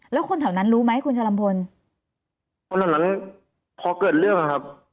แล้วคนแถวนั้นรู้ไหมคุณชะลำพลคนแถวนั้นพอเกิดเรื่องอ่ะครับ